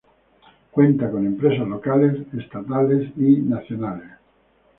Cuenta con empresas locales, estatales y nacionales.